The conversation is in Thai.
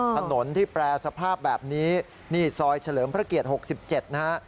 ถนนที่แปรสภาพแบบนี้นี่ซอยเฉลิมพระเกียรติ๖๗นะฮะ